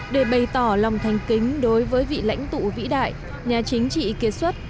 để bày tỏ lòng thành kính đối với vị lãnh tụ vĩ đại nhà chính trị kiệt xuất